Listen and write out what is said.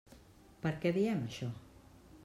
Per què diem això?